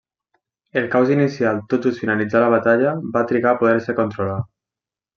El caos inicial tot just finalitzar la batalla va trigar a poder-se controlar.